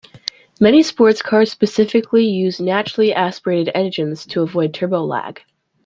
Many sports cars specifically use naturally aspirated engines to avoid turbo lag.